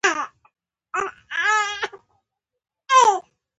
همدا یوه خبره یې کوله اعمال مو جوړ نه دي.